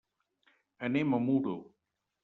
Anem a Muro.